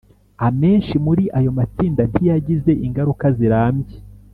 amenshi muri ayo matsinda ntiyagize ingaruka zirambye.